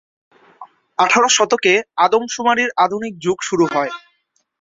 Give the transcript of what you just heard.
আঠারো শতকে আদমশুমারির আধুনিক যুগ শুরু হয়।